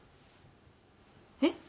えっ？